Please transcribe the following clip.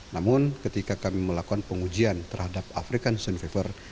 namun ketika kami melakukan pengujian terhadap african sun fever